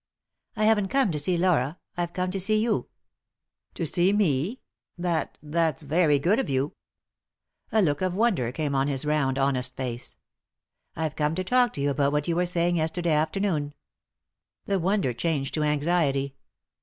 " I haven't come to see Laura ; I've come to see you." " To see me ? That— that's very good of you." 305 3i 9 iii^d by Google THE INTERRUPTED KISS A look of wonder came on his round honest face. "I've come to talk to you about what you were saying yesterday afternoon." The wonder changed to anxiety.